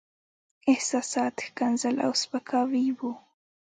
احساسات، ښکنځل او سپکاوي وو.